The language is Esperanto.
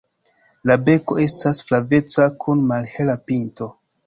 La beko estas flaveca kun malhela pinto.